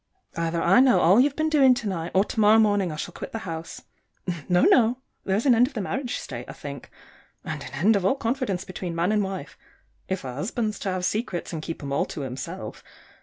Either I know all you've been doing to night, or to morrow morning I shall quit the house. No, no! There's an end of the marriage state, I think and an end of all confidence between man and wife if a husband's to have secrets and keep 'em all to himself.